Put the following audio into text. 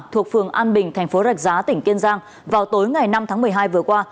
thuộc phường an bình thành phố rạch giá tỉnh kiên giang vào tối ngày năm tháng một mươi hai vừa qua